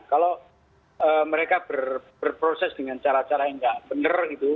kalau mereka berproses dengan cara cara yang nggak benar gitu